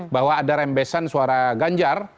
bahwa ada rembesan suara ganjar